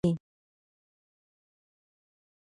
پاچا وژل شوی دی.